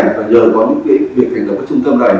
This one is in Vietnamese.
và nhờ có những cái việc thành lập các trung tâm này